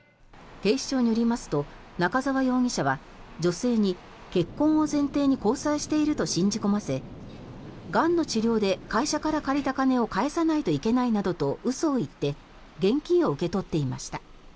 警視庁によりますと仲沢容疑者は女性に結婚を前提に交際していると信じ込ませがんの治療で会社から借りた金を返さないといけないなどと嘘を言って現金を受け取っていました。